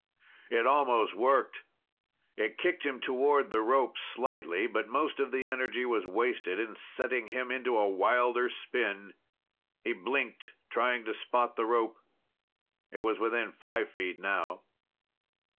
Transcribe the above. It almost worked. It kicked him toward the rope slightly, but most of the energy was wasted in setting him into a wilder spin. He blinked, trying to spot the rope. It was within five feet now.